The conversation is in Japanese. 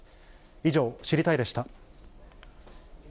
以上、知りたいッ！でした。